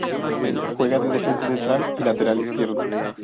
Juega de defensa central y lateral izquierdo.